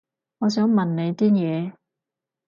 我想問你啲嘢